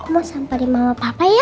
mau sampai di mama papa ya